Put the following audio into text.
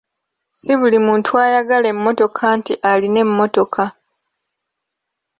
Ssi buli muntu ayagala emmotoka nti alina emmotoka.